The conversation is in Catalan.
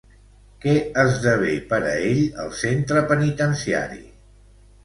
Què esdevé, per a ell, el centre penitenciari?